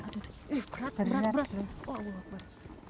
aduh berat berat berat